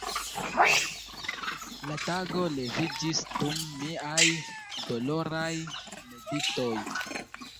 La tago leviĝis dum miaj doloraj meditoj.